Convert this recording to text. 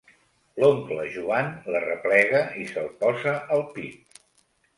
L'oncle Joan l'arreplega i se'l posa al pit.